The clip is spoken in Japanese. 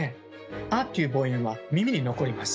「ア」という母音は耳に残ります。